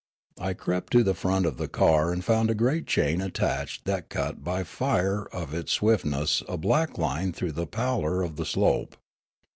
I crept to the front of the car and found a great chain attached that cut bj^ the fire of its swiftness a black line through the pallor of the slope.